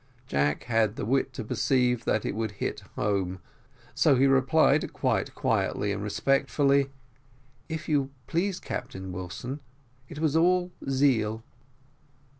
Jack had the wit to perceive that it would hit home, so he replied, very quietly and respectfully: "If you please, Captain Wilson, that was all zeal."